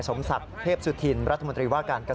ยอมรับว่าดีใจที่คดีนั้นมีความเคืบหน้า